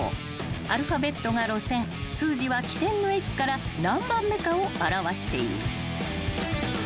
［アルファベットが路線数字は起点の駅から何番目かを表している］